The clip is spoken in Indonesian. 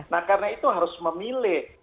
nah karena itu harus memilih